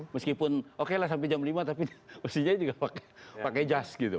meskipun oke lah sampai jam lima tapi mestinya juga pakai jas gitu